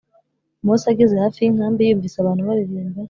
Mose ageze hafi y inkambi yumvise abantu baririmba